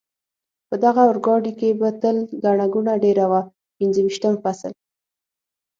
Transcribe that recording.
په دغه اورګاډي کې به تل ګڼه ګوڼه ډېره وه، پنځه ویشتم فصل.